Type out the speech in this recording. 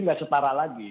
tidak setara lagi